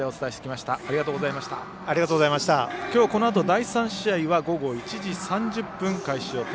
きょうこのあと、第３試合は午後１時３０分開始予定。